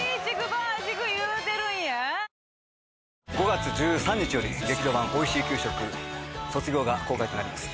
５月１３日より『劇場版おいしい給食卒業』が公開となります。